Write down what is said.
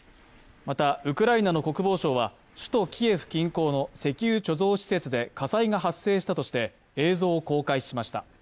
またウクライナの国防相は首都キエフ近郊の石油貯蔵施設で火災が発生したとして、映像を公開しました。